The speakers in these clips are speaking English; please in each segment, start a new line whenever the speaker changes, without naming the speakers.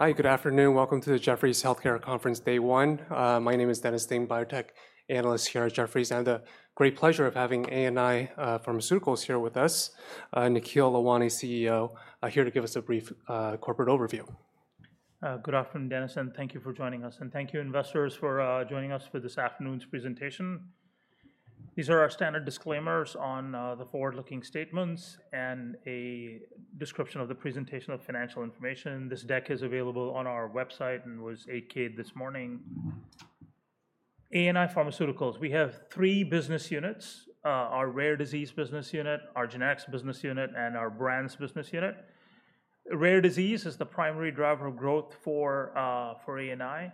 Hi, good afternoon. Welcome to the Jefferies Healthcare Conference, Day One. My name is Dennis Ding, biotech analyst here at Jefferies. I have the great pleasure of having ANI Pharmaceuticals here with us. Nikhil Lalwani, CEO, here to give us a brief corporate overview.
Good afternoon, Dennis, and thank you for joining us. Thank you, investors, for joining us for this afternoon's presentation. These are our standard disclaimers on the forward-looking statements and a description of the presentation of financial information. This deck is available on our website and was AK'd this morning. ANI Pharmaceuticals, we have three business units: our rare disease business unit, our generics business unit, and our brands business unit. Rare disease is the primary driver of growth for ANI.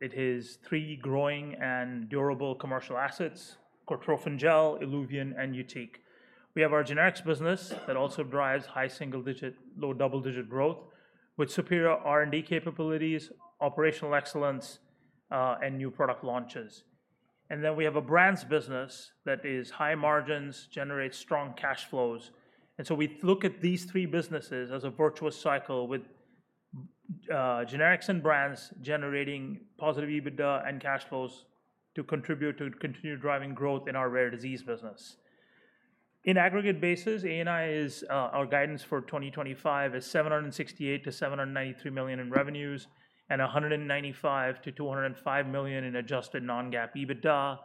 It has three growing and durable commercial assets: Cortrophin Gel, ILUVIEN, and YUTIQ. We have our generics business that also drives high single-digit, low double-digit growth with superior R&D capabilities, operational excellence, and new product launches. We have a brands business that is high margins, generates strong cash flows. We look at these three businesses as a virtuous cycle with generics and brands generating positive EBITDA and cash flows to contribute to continued driving growth in our rare disease business. On an aggregate basis, ANI guidance for 2025 is $768 million-$793 million in revenues and $195 million-$205 million in adjusted non-GAAP EBITDA.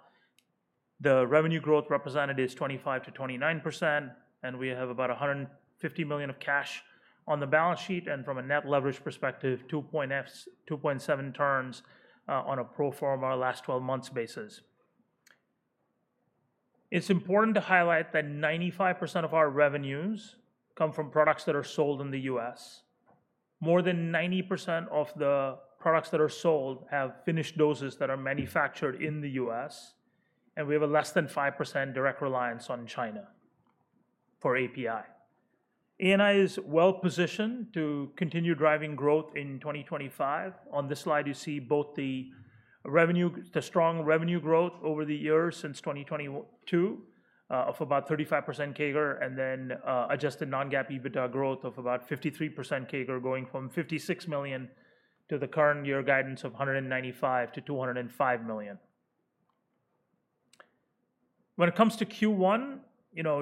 The revenue growth represented is 25%-29%, and we have about $150 million of cash on the balance sheet. From a net leverage perspective, 2.7 turns on a pro forma last 12 months basis. It is important to highlight that 95% of our revenues come from products that are sold in the U.S. More than 90% of the products that are sold have finished doses that are manufactured in the U.S., and we have less than 5% direct reliance on China for API. ANI is well positioned to continue driving growth in 2025. On this slide, you see both the strong revenue growth over the years since 2022 of about 35% CAGR and then adjusted non-GAAP EBITDA growth of about 53% CAGR, going from $56 million to the current year guidance of $195-$205 million. When it comes to Q1,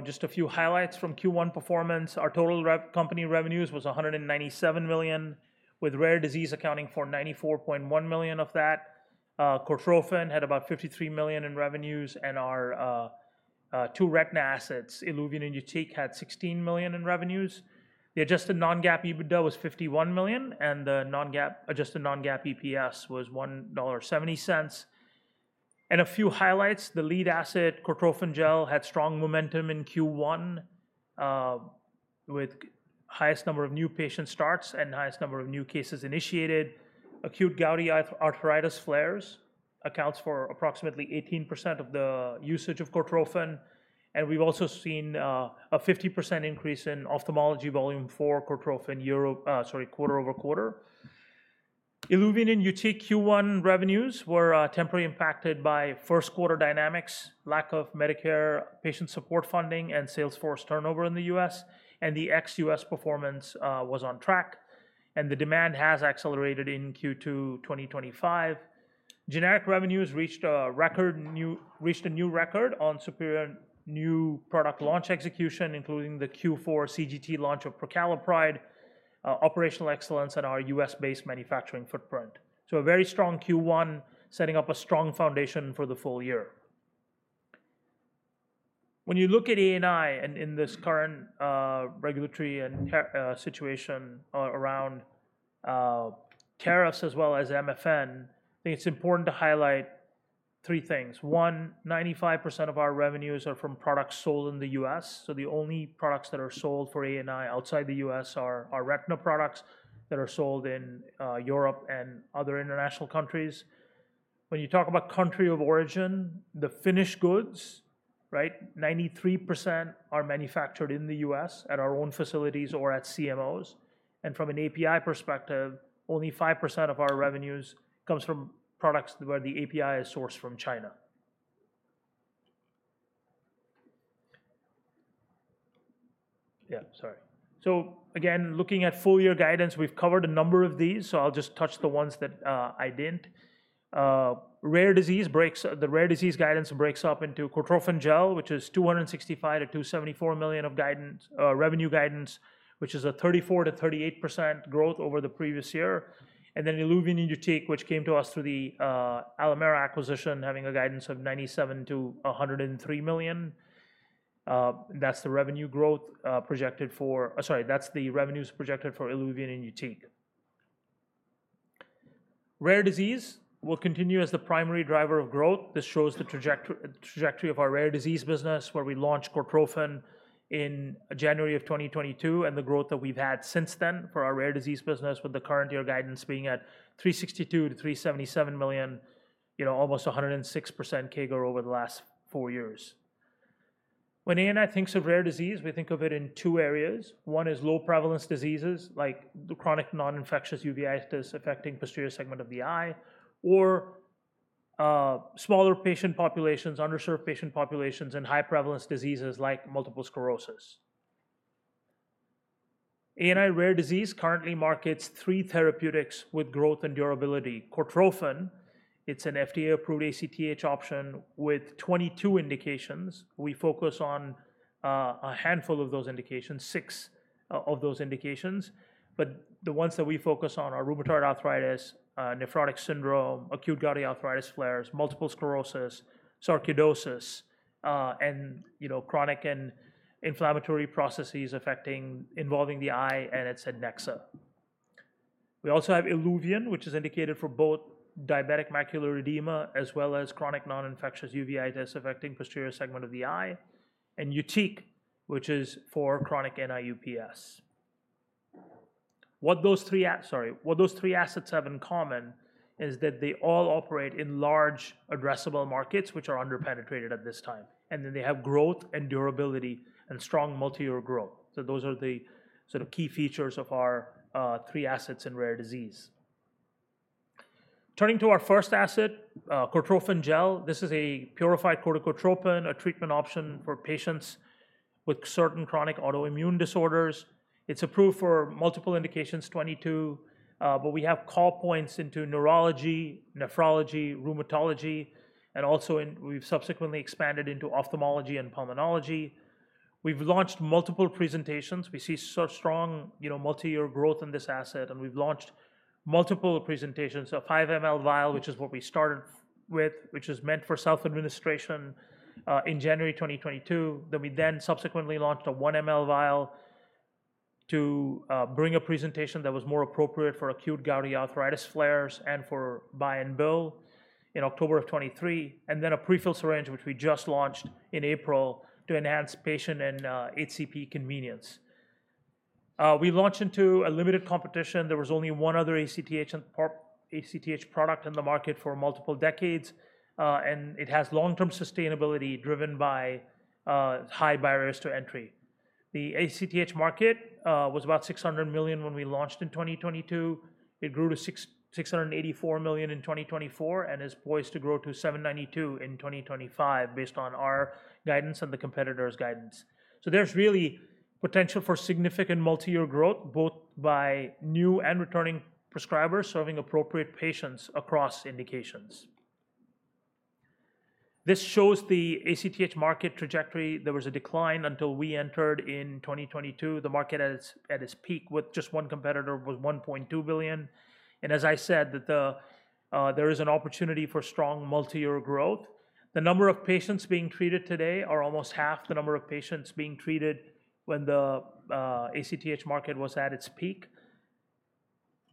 just a few highlights from Q1 performance. Our total company revenues was $197 million, with rare disease accounting for $94.1 million of that. Cortrophin had about $53 million in revenues, and our two retina assets, ILUVIEN and YUTIQ, had $16 million in revenues. The adjusted non-GAAP EBITDA was $51 million, and the adjusted non-GAAP EPS was $1.70. A few highlights: the lead asset, Cortrophin Gel, had strong momentum in Q1 with the highest number of new patient starts and the highest number of new cases initiated. Acute gouty arthritis flares account for approximately 18% of the usage of Cortrophin, and we've also seen a 50% increase in ophthalmology volume for Cortrophin, sorry, quarter over quarter. ILUVIEN and YUTIQ Q1 revenues were temporarily impacted by first quarter dynamics, lack of Medicare patient support funding, and Salesforce turnover in the U.S., and the ex-U.S. performance was on track. The demand has accelerated in Q2 2025. Generic revenues reached a new record on superior new product launch execution, including the Q4 CGT launch of Prucalopride, operational excellence, and our U.S.-based manufacturing footprint. A very strong Q1, setting up a strong foundation for the full year. When you look at ANI and in this current regulatory situation around tariffs as well as MFN, I think it's important to highlight three things. One, 95% of our revenues are from products sold in the U.S. The only products that are sold for ANI outside the U.S. are retina products that are sold in Europe and other international countries. When you talk about country of origin, the finished goods, right, 93% are manufactured in the U.S. at our own facilities or at CMOs. From an API perspective, only 5% of our revenues comes from products where the API is sourced from China. Yeah, sorry. Again, looking at full-year guidance, we've covered a number of these, so I'll just touch the ones that I didn't. Rare disease guidance breaks up into Cortrophin Gel, which is $265 million-$274 million of revenue guidance, which is a 34%-38% growth over the previous year. Then ILUVIEN and YUTIQ, which came to us through the Alimera acquisition, having a guidance of $97 million-$103 million. That's the revenue growth projected for, sorry, that's the revenues projected for ILUVIEN and YUTIQ. Rare disease will continue as the primary driver of growth. This shows the trajectory of our rare disease business where we launched Cortrophin in January of 2022 and the growth that we've had since then for our rare disease business, with the current year guidance being at $362 million-$377 million, almost 106% CAGR over the last four years. When ANI thinks of rare disease, we think of it in two areas. One is low-prevalencee diseases like the chronic non-infectious uveitis affecting the posterior segment of the eye, or smaller patient populations, underserved patient populations, and high-prevalencee diseases like multiple sclerosis. ANI rare disease currently markets three therapeutics with growth and durability. Cortrophin, it's an FDA-approved ACTH option with 22 indications. We focus on a handful of those indications, six of those indications. The ones that we focus on are rheumatoid arthritis, nephrotic syndrome, acute gouty arthritis flares, multiple sclerosis, sarcoidosis, and chronic and inflammatory processes involving the eye and its adnexa. We also have ILUVIEN, which is indicated for both diabetic macular edema as well as chronic non-infectious uveitis affecting the posterior segment of the eye, and YUTIQ, which is for chronic NIU-PS. What those three assets have in common is that they all operate in large addressable markets, which are under-penetrated at this time. They have growth and durability and strong multi-year growth. Those are the sort of key features of our three assets in rare disease. Turning to our first asset, Cortrophin Gel, this is a purified corticotropin, a treatment option for patients with certain chronic autoimmune disorders. It's approved for multiple indications, 22, but we have call points into neurology, nephrology, rheumatology, and also we've subsequently expanded into ophthalmology and pulmonology. We've launched multiple presentations. We see such strong multi-year growth in this asset, and we've launched multiple presentations. A 5 mL vial, which is what we started with, which is meant for self-administration in January 2022. We then subsequently launched a 1 mL vial to bring a presentation that was more appropriate for acute gouty arthritis flares and for buy and bill in October of 2023, and then a prefill syringe, which we just launched in April to enhance patient and HCP convenience. We launched into a limited competition. There was only one other ACTH product in the market for multiple decades, and it has long-term sustainability driven by high barriers to entry. The ACTH market was about $600 million when we launched in 2022. It grew to $684 million in 2024 and is poised to grow to $792 million in 2025 based on our guidance and the competitor's guidance. There is really potential for significant multi-year growth, both by new and returning prescribers serving appropriate patients across indications. This shows the ACTH market trajectory. There was a decline until we entered in 2022. The market at its peak with just one competitor was $1.2 billion. As I said, there is an opportunity for strong multi-year growth. The number of patients being treated today is almost half the number of patients being treated when the ACTH market was at its peak.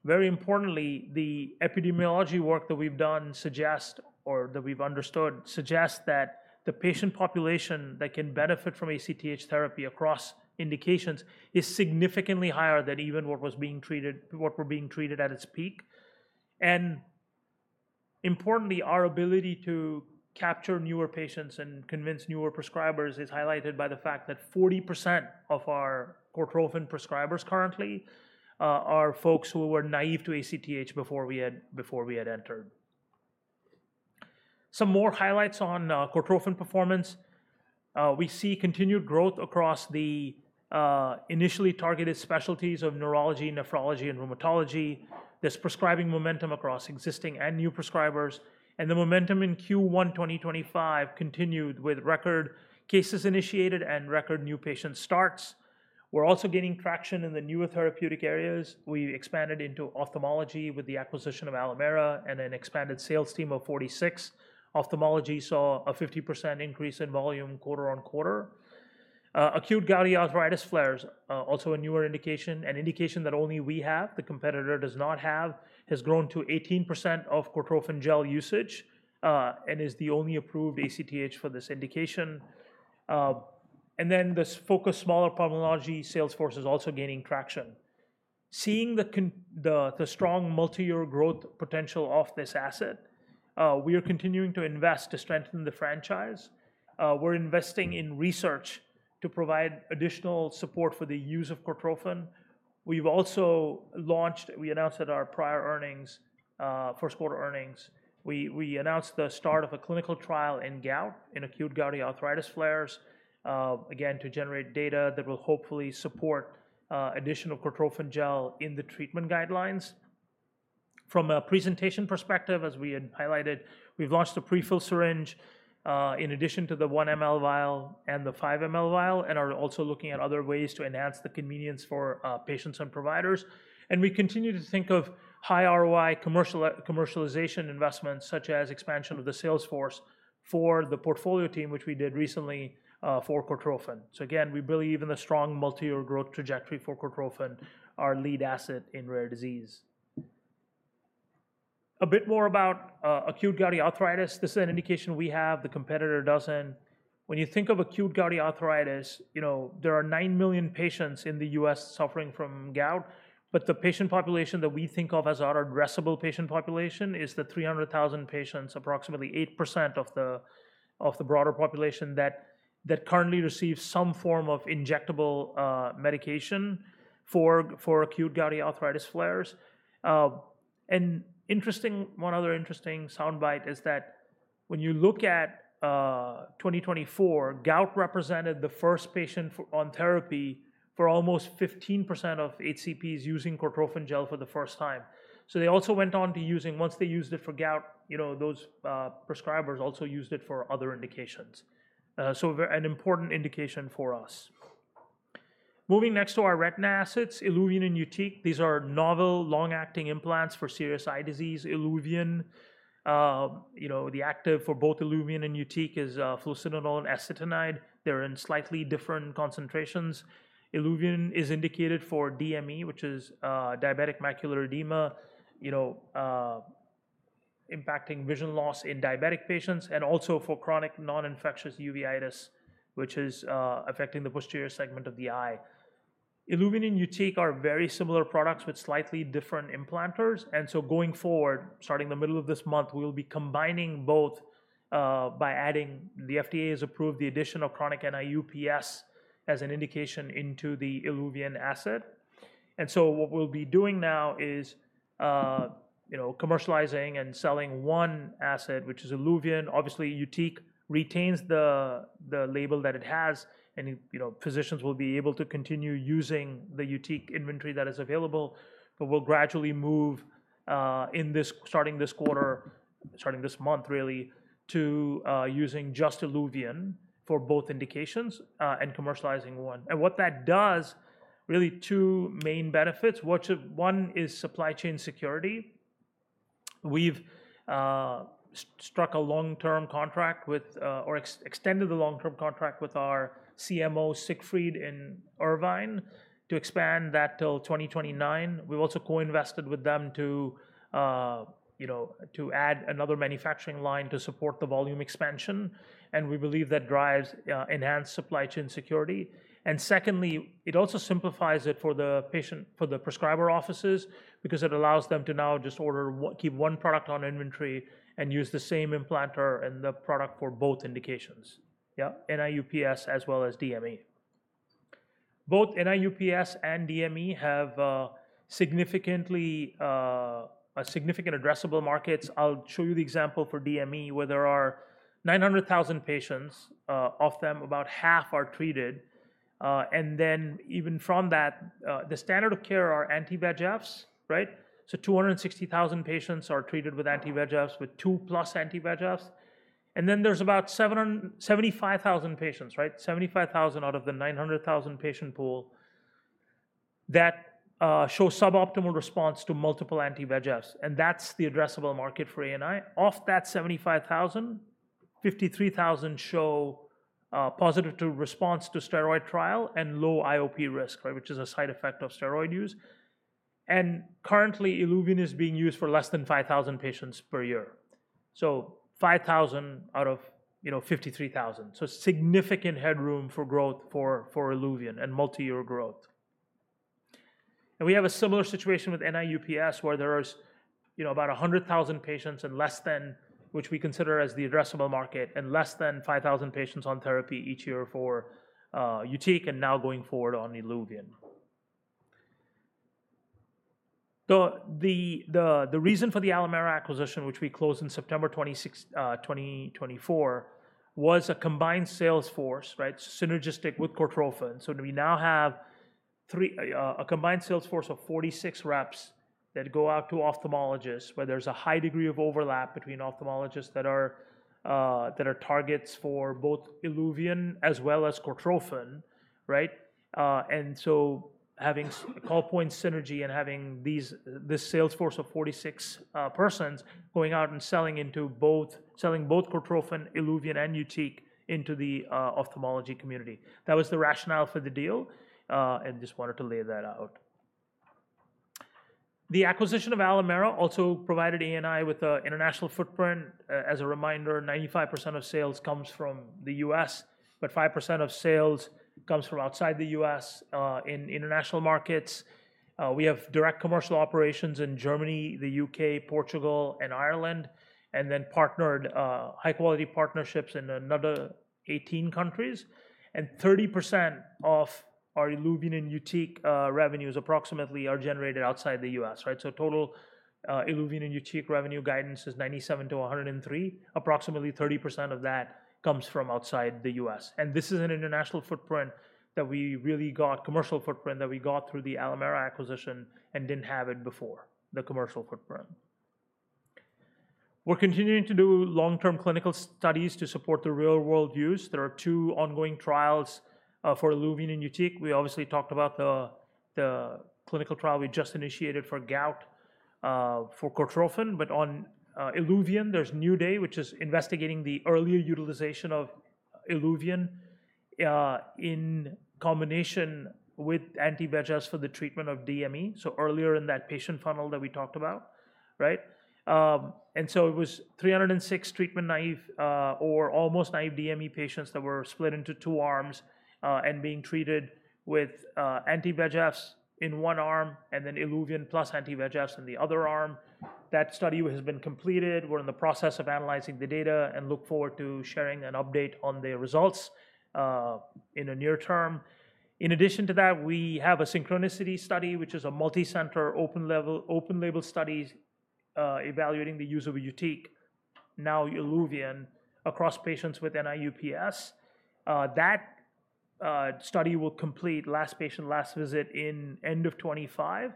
Very importantly, the epidemiology work that we've done suggests, or that we've understood, suggests that the patient population that can benefit from ACTH therapy across indications is significantly higher than even what was being treated, what were being treated at its peak. Importantly, our ability to capture newer patients and convince newer prescribers is highlighted by the fact that 40% of our Cortrophin prescribers currently are folks who were naive to ACTH before we had entered. Some more highlights on Cortrophin performance. We see continued growth across the initially targeted specialties of neurology, nephrology, and rheumatology. There is prescribing momentum across existing and new prescribers. The momentum in Q1 2025 continued with record cases initiated and record new patient starts. We are also gaining traction in the newer therapeutic areas. We expanded into ophthalmology with the acquisition of Alimera and an expanded sales team of 46. Ophthalmology saw a 50% increase in volume quarter on quarter. Acute gouty arthritis flares, also a newer indication, an indication that only we have, the competitor does not have, has grown to 18% of Cortrophin Gel usage and is the only approved ACTH for this indication. This focus smaller pulmonology sales force is also gaining traction. Seeing the strong multi-year growth potential of this asset, we are continuing to invest to strengthen the franchise. We are investing in research to provide additional support for the use of Cortrophin. We have also launched, we announced at our prior earnings, first quarter earnings, we announced the start of a clinical trial in gout, in acute gouty arthritis flares, again, to generate data that will hopefully support additional Cortrophin Gel in the treatment guidelines. From a presentation perspective, as we had highlighted, we have launched a prefilled syringe in addition to the 1 mL vial and the 5 mL vial, and are also looking at other ways to enhance the convenience for patients and providers. We continue to think of high ROI commercialization investments such as expansion of the sales force for the portfolio team, which we did recently for Cortrophin. Again, we believe in the strong multi-year growth trajectory for Cortrophin, our lead asset in rare disease. A bit more about acute gouty arthritis. This is an indication we have, the competitor does not. When you think of acute gouty arthritis, there are 9 million patients in the U.S. suffering from gout, but the patient population that we think of as our addressable patient population is the 300,000 patients, approximately 8% of the broader population, that currently receives some form of injectable medication for acute gouty arthritis flares. One other interesting soundbite is that when you look at 2024, gout represented the first patient on therapy for almost 15% of HCPs using Cortrophin Gel for the first time. Once they used it for gout, those prescribers also used it for other indications. An important indication for us. Moving next to our retina assets, ILUVIEN and YUTIQ, these are novel long-acting implants for serious eye disease. ILUVIEN, the active for both ILUVIEN and YUTIQ is fluocinolone acetonide. They're in slightly different concentrations. ILUVIEN is indicated for DME, which is diabetic macular edema, impacting vision loss in diabetic patients, and also for chronic non-infectious uveitis, which is affecting the posterior segment of the eye. ILUVIEN and YUTIQ are very similar products with slightly different implanters. Going forward, starting the middle of this month, we'll be combining both by adding, the FDA has approved the addition of chronic NIU-PS as an indication into the ILUVIEN asset. What we'll be doing now is commercializing and selling one asset, which is ILUVIEN. Obviously, YUTIQ retains the label that it has, and physicians will be able to continue using the YUTIQ inventory that is available, but we'll gradually move in this, starting this quarter, starting this month really, to using just ILUVIEN for both indications and commercializing one. What that does, really two main benefits. One is supply chain security. We've struck a long-term contract with, or extended the long-term contract with our CMO, Siegfried in Irvine, to expand that till 2029. We've also co-invested with them to add another manufacturing line to support the volume expansion. We believe that drives enhanced supply chain security. Secondly, it also simplifies it for the prescriber offices because it allows them to now just order, keep one product on inventory and use the same implanter and the product for both indications, yeah, NIU-PS as well as DME. Both NIU-PS and DME have significantly significant addressable markets. I'll show you the example for DME, where there are 900,000 patients, of them about half are treated. Even from that, the standard of care are anti-VEGFs, right? 260,000 patients are treated with anti-VEGFs, with two plus anti-VEGFs. There are about 75,000 patients, right? 75,000 out of the 900,000 patient pool that show suboptimal response to multiple anti-VEGFs. That's the addressable market for ANI. Of that 75,000, 53,000 show positive response to steroid trial and low IOP risk, right, which is a side effect of steroid use. Currently, ILUVIEN is being used for less than 5,000 patients per year. 5,000 out of 53,000. Significant headroom for growth for ILUVIEN and multi-year growth. We have a similar situation with NIU-PS where there is about 100,000 patients, which we consider as the addressable market, and less than 5,000 patients on therapy each year for YUTIQ and now going forward on ILUVIEN. The reason for the Alimera acquisition, which we closed in September 2024, was a combined sales force, right, synergistic with Cortrophin. We now have a combined sales force of 46 reps that go out to ophthalmologists, where there is a high degree of overlap between ophthalmologists that are targets for both ILUVIEN as well as Cortrophin, right? Having a call point synergy and having this sales force of 46 persons going out and selling both Cortrophin, ILUVIEN, and YUTIQ into the ophthalmology community. That was the rationale for the deal, and just wanted to lay that out. The acquisition of Alimera also provided ANI with an international footprint. As a reminder, 95% of sales comes from the U.S., but 5% of sales comes from outside the U.S. in international markets. We have direct commercial operations in Germany, the U.K., Portugal, and Ireland, and then partnered high-quality partnerships in another 18 countries. Thirty percent of our ILUVIEN and YUTIQ revenues approximately are generated outside the U.S., right? Total ILUVIEN and YUTIQ revenue guidance is $97-$103. Approximately 30% of that comes from outside the U.S. This is an international footprint that we really got, commercial footprint that we got through the Alimera acquisition and did not have it before, the commercial footprint. We are continuing to do long-term clinical studies to support the real-world use. There are two ongoing trials for ILUVIEN and YUTIQ. We obviously talked about the clinical trial we just initiated for gout for Cortrophin, but on ILUVIEN, there's New Day, which is investigating the earlier utilization of ILUVIEN in combination with anti-VEGFs for the treatment of DME. Earlier in that patient funnel that we talked about, right? It was 306 treatment naive or almost naive DME patients that were split into two arms and being treated with anti-VEGFs in one arm and then ILUVIEN plus anti-VEGFs in the other arm. That study has been completed. We're in the process of analyzing the data and look forward to sharing an update on the results in the near term. In addition to that, we have a Synchronicity study, which is a multi-center open label study evaluating the use of YUTIQ, now ILUVIEN, across patients with NIU-PS. That study will complete last patient, last visit in end of 2025,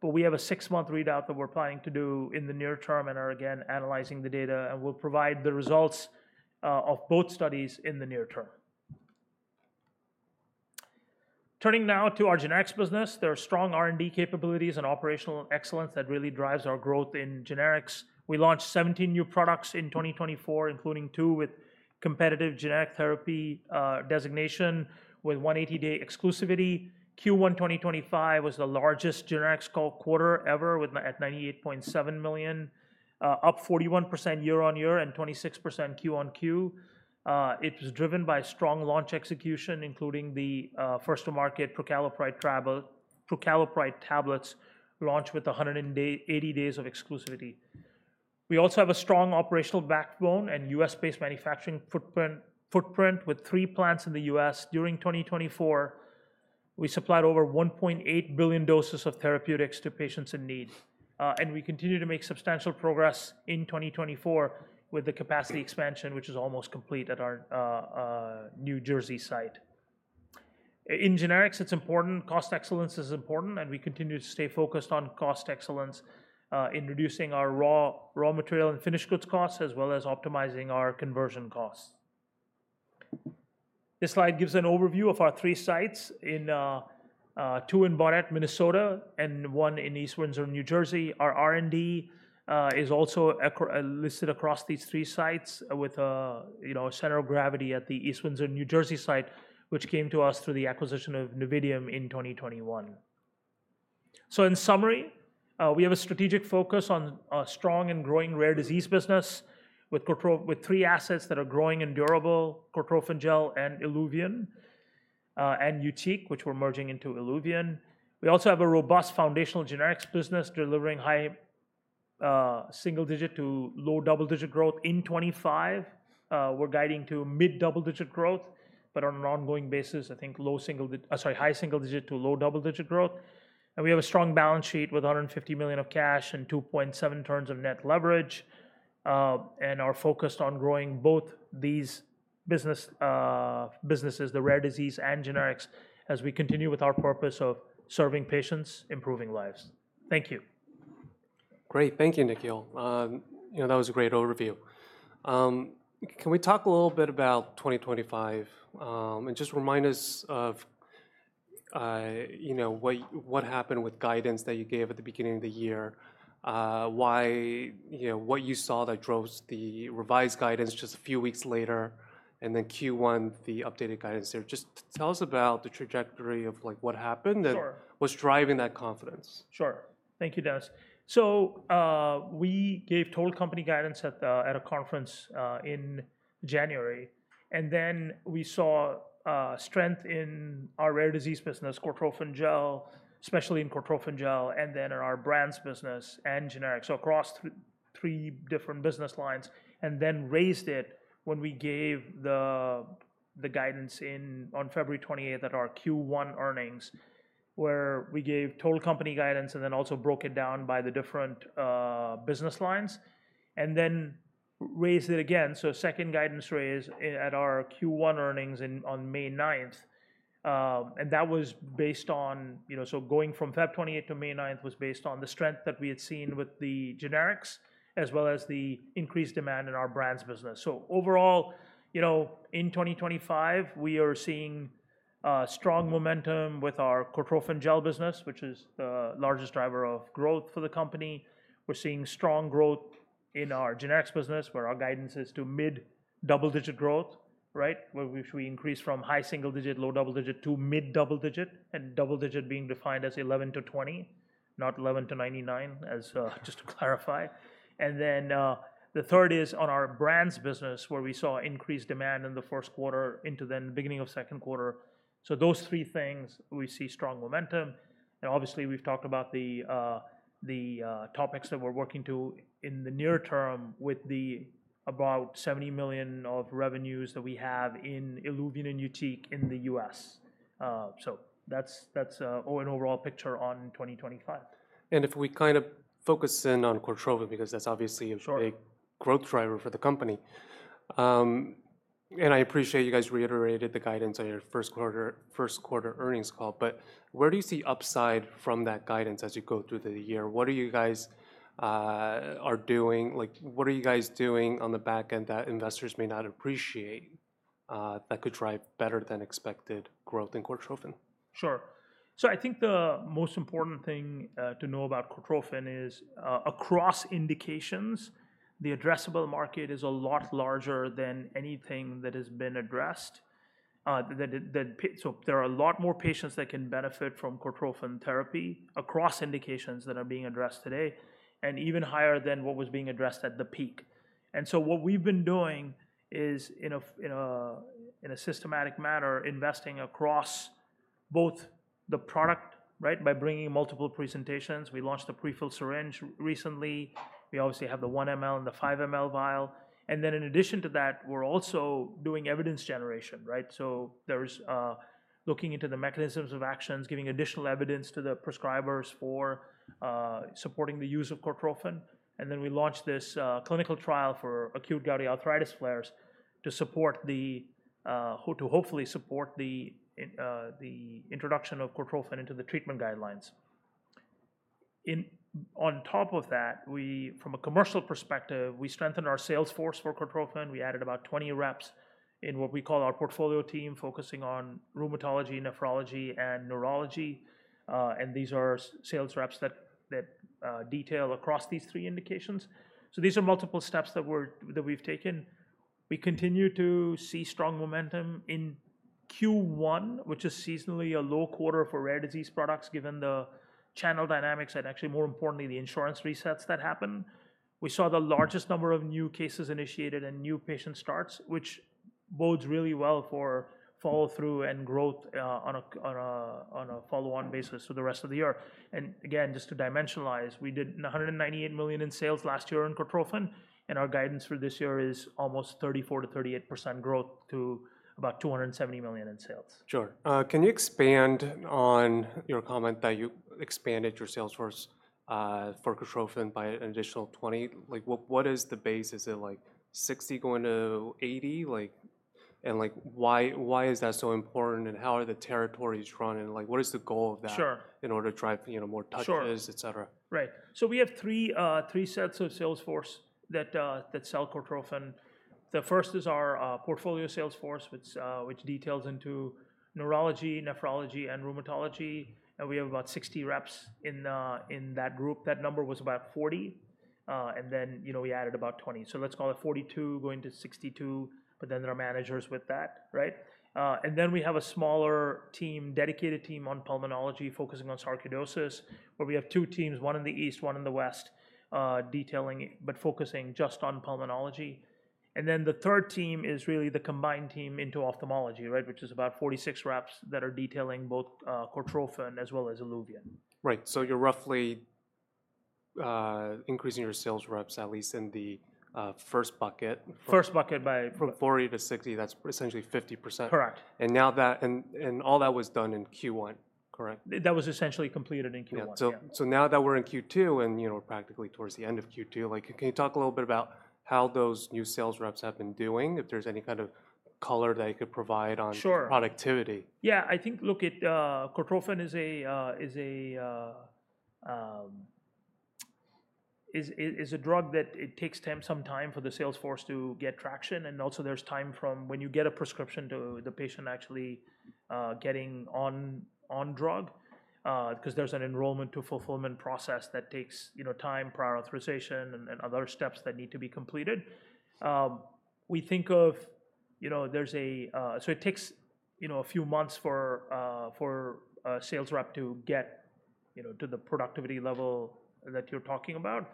but we have a six-month readout that we're planning to do in the near term and are again analyzing the data and will provide the results of both studies in the near term. Turning now to our generics business, there are strong R&D capabilities and operational excellence that really drives our growth in generics. We launched 17 new products in 2024, including two with competitive generic therapy designation with 180-day exclusivity. Q1 2025 was the largest generics quarter ever at $98.7 million, up 41% year on year and 26% Q on Q. It was driven by strong launch execution, including the first-to-market prucalopride tablets launched with 180 days of exclusivity. We also have a strong operational backbone and U.S.-based manufacturing footprint with three plants in the U.S. During 2024, we supplied over 1.8 billion doses of therapeutics to patients in need. We continue to make substantial progress in 2024 with the capacity expansion, which is almost complete at our New Jersey site. In generics, it is important. Cost excellence is important, and we continue to stay focused on cost excellence in reducing our raw material and finished goods costs as well as optimizing our conversion costs. This slide gives an overview of our three sites: two in Baudette, Minnesota, and one in East Windsor, New Jersey. Our R&D is also listed across these three sites with a center of gravity at the East Windsor, New Jersey site, which came to us through the acquisition of Novidium in 2021. In summary, we have a strategic focus on a strong and growing rare disease business with three assets that are growing and durable, Cortrophin Gel and ILUVIEN and YUTIQ, which we are merging into ILUVIEN. We also have a robust foundational generics business delivering high single-digit to low double-digit growth in 2025. We are guiding to mid-double-digit growth, but on an ongoing basis, I think high single-digit to low double-digit growth. We have a strong balance sheet with $150 million of cash and 2.7 turns of net leverage. Our focus is on growing both these businesses, the rare disease and generics, as we continue with our purpose of serving patients, improving lives. Thank you.
Great. Thank you, Nikhil. That was a great overview. Can we talk a little bit about 2025 and just remind us of what happened with guidance that you gave at the beginning of the year? What you saw that drove the revised guidance just a few weeks later and then Q1, the updated guidance there. Just tell us about the trajectory of what happened that was driving that confidence.
Sure. Thank you, Dennis. We gave total company guidance at a conference in January. We saw strength in our rare disease business, Cortrophin Gel, especially in Cortrophin Gel, and then in our brands business and generics, across three different business lines. We raised it when we gave the guidance on February 28 at our Q1 earnings, where we gave total company guidance and also broke it down by the different business lines, and then raised it again. Second guidance raise at our Q1 earnings on May 9. That was based on going from February 28 to May 9, based on the strength that we had seen with the generics as well as the increased demand in our brands business. Overall, in 2025, we are seeing strong momentum with our Cortrophin Gel business, which is the largest driver of growth for the company. We're seeing strong growth in our generics business, where our guidance is to mid-double-digit growth, right? Where we increased from high single-digit, low double-digit to mid-double-digit and double-digit being defined as 11-20, not 11-99, just to clarify. The third is on our brands business, where we saw increased demand in the first quarter into then the beginning of second quarter. Those three things, we see strong momentum. Obviously, we've talked about the topics that we're working to in the near term with the about $70 million of revenues that we have in ILUVIEN and YUTIQ in the US. That's an overall picture on 2025.
If we kind of focus in on Cortrophin, because that's obviously a big growth driver for the company, and I appreciate you guys reiterated the guidance on your first quarter earnings call, but where do you see upside from that guidance as you go through the year? What are you guys doing? What are you guys doing on the back end that investors may not appreciate that could drive better than expected growth in Cortrophin?
Sure. I think the most important thing to know about Cortrophin is across indications, the addressable market is a lot larger than anything that has been addressed. There are a lot more patients that can benefit from Cortrophin therapy across indications that are being addressed today and even higher than what was being addressed at the peak. What we've been doing is, in a systematic manner, investing across both the product, right, by bringing multiple presentations. We launched the prefilled syringe recently. We obviously have the 1 mL and the 5 mL vial. In addition to that, we're also doing evidence generation, right? There's looking into the mechanisms of action, giving additional evidence to the prescribers for supporting the use of Cortrophin. We launched this clinical trial for acute gouty arthritis flares to hopefully support the introduction of Cortrophin into the treatment guidelines. On top of that, from a commercial perspective, we strengthened our sales force for Cortrophin. We added about 20 reps in what we call our portfolio team, focusing on rheumatology, nephrology, and neurology. These are sales reps that detail across these three indications. These are multiple steps that we have taken. We continue to see strong momentum in Q1, which is seasonally a low quarter for rare disease products given the channel dynamics and, more importantly, the insurance resets that happen. We saw the largest number of new cases initiated and new patient starts, which bodes really well for follow-through and growth on a follow-on basis for the rest of the year. Just to dimensionalize, we did $198 million in sales last year in Cortrophin, and our guidance for this year is almost 34%-38% growth to about $270 million in sales. Sure. Can you expand on your comment that you expanded your sales force for Cortrophin by an additional 20? What is the base? Is it like 60 going to 80? Why is that so important? How are the territories run? What is the goal of that in order to drive more touches, etc.? Right. We have three sets of sales force that sell Cortrophin. The first is our portfolio sales force, which details into neurology, nephrology, and rheumatology. We have about 60 reps in that group. That number was about 40, and then we added about 20. Let's call it 42 going to 62, but then there are managers with that, right? We have a smaller team, dedicated team on pulmonology focusing on sarcoidosis, where we have two teams, one in the east, one in the west, detailing, but focusing just on pulmonology. The third team is really the combined team into ophthalmology, which is about 46 reps that are detailing both Cortrophin as well as ILUVIEN.
Right. So you're roughly increasing your sales reps, at least in the first bucket.
First bucket by.
From 40-60, that's essentially 50%.
Correct.
All that was done in Q1.
Correct? That was essentially completed in Q1.
Yeah. So now that we're in Q2 and we're practically towards the end of Q2, can you talk a little bit about how those new sales reps have been doing, if there's any kind of color that you could provide on productivity?
Yeah. I think, look, Cortrophin is a drug that it takes some time for the sales force to get traction. Also, there's time from when you get a prescription to the patient actually getting on drug, because there's an enrollment to fulfillment process that takes time, prior authorization and other steps that need to be completed. We think of, so it takes a few months for a sales rep to get to the productivity level that you're talking about.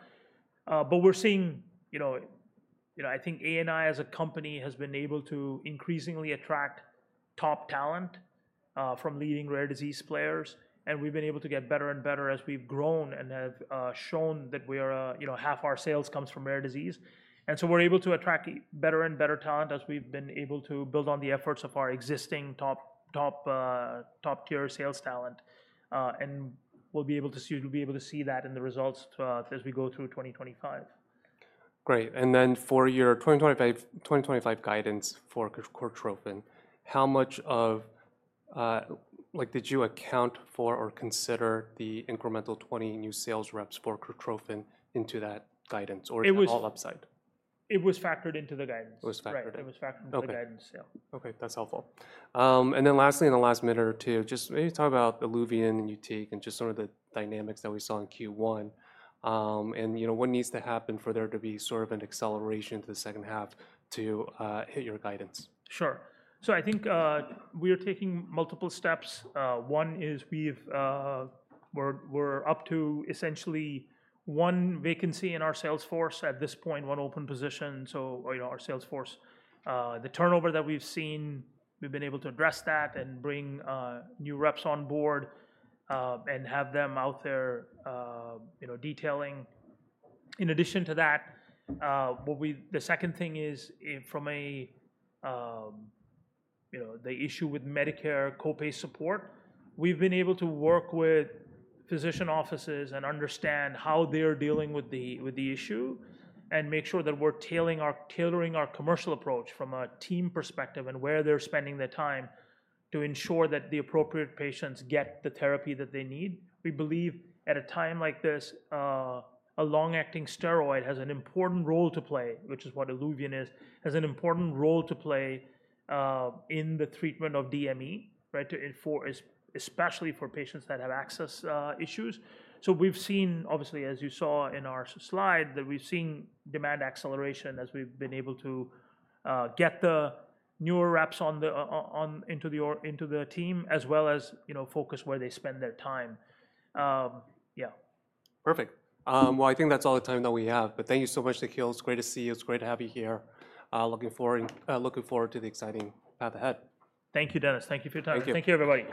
We're seeing, I think ANI as a company has been able to increasingly attract top talent from leading rare disease players. We've been able to get better and better as we've grown and have shown that half our sales comes from rare disease. We're able to attract better and better talent as we've been able to build on the efforts of our existing top-tier sales talent. We'll be able to see that in the results as we go through 2025.
Great. For your 2025 guidance for Cortrophin, how much of, did you account for or consider the incremental 20 new sales reps for Cortrophin into that guidance, or is it all upside?
It was factored into the guidance.
It was factored into the guidance.
It was factored into the guidance sale.
Okay. That's helpful. Lastly, in the last minute or two, just maybe talk about ILUVIEN and YUTIQ and just some of the dynamics that we saw in Q1 and what needs to happen for there to be sort of an acceleration to the second half to hit your guidance.
Sure. I think we are taking multiple steps. One is we're up to essentially one vacancy in our sales force at this point, one open position. Our sales force, the turnover that we've seen, we've been able to address that and bring new reps on board and have them out there detailing. In addition to that, the second thing is from the issue with Medicare copay support, we've been able to work with physician offices and understand how they're dealing with the issue and make sure that we're tailoring our commercial approach from a team perspective and where they're spending their time to ensure that the appropriate patients get the therapy that they need. We believe at a time like this, a long-acting steroid has an important role to play, which is what ILUVIEN is, has an important role to play in the treatment of DME, right, especially for patients that have access issues. We have seen, obviously, as you saw in our slide, that we have seen demand acceleration as we have been able to get the newer reps into the team as well as focus where they spend their time. Yeah.
Perfect. I think that's all the time that we have. Thank you so much, Nikhil. It's great to see you. It's great to have you here. Looking forward to the exciting path ahead. Thank you, Dennis. Thank you for your time. Thank you, everybody.